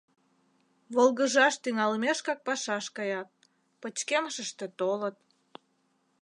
Волгыжаш тӱҥалмешкак пашаш каят, пычкемышыште толыт.